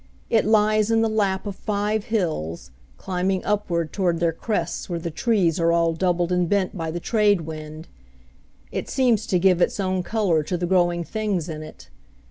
It lies in the lap of five hills, climbing upward toward their crests where the trees are all doubled and bent by the trade wind. It seems to give its own color to the growing things in it.